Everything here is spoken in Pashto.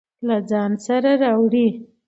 له ځان سره راوړئ.